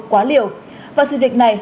quá liều và sự việc này